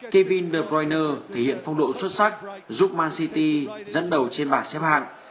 kevin de bruyne thể hiện phong độ xuất sắc giúp man city dẫn đầu trên bảng xếp hạng